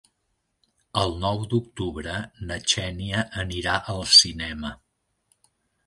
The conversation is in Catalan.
El nou d'octubre na Xènia anirà al cinema.